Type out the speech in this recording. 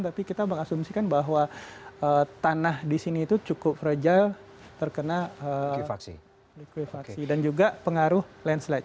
tapi kita mengasumsikan bahwa tanah di sini itu cukup fragile terkena likuifaksi dan juga pengaruh landslide